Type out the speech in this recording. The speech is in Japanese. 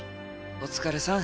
お疲れさん。